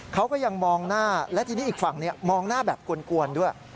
เขาก็ยังมองหน้าและทีนี้อีกฝั่งมองหน้าแบบกวนด้วย